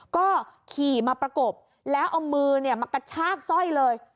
ก็ขี่มาประกบแล้วเอามือมากระชากสร้อยเลย